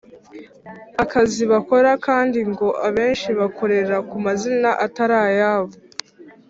akazi bakora kandi ngo abenshi bakorera ku mazina atarayabo